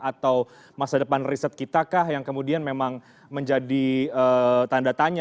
atau masa depan riset kita kah yang kemudian memang menjadi tanda tanya